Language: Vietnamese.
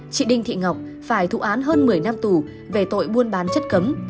chị đinh thị ngọc phải thụ án hơn một mươi năm tù về tội buôn bán chất cấm